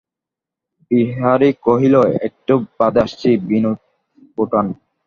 বিহারী কহিল, একটু বাদে আসছি, বিনোদ-বোঠান।